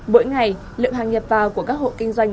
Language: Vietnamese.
bỗi ngày lượng hàng nhập vào của các hộ kinh doanh ở đây